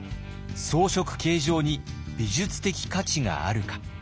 装飾形状に美術的価値があるか。